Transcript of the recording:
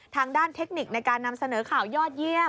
ทางด้านเทคนิคในการนำเสนอข่าวยอดเยี่ยม